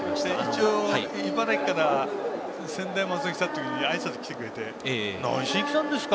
一応、茨城から専大松戸に来た時にあいさつに来てくれて何しにきたんですか？